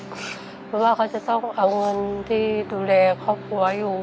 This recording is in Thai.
เพราะว่าเขาจะต้องเอาเงินที่ดูแลครอบครัวอยู่